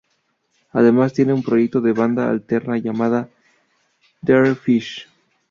Además, tiene un proyecto de banda alterna llamada Three Fish.